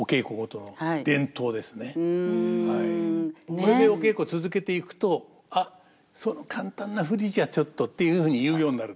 これでお稽古続けていくと「あっその簡単な振りじゃちょっと」っていうふうに言うようになるんですよ。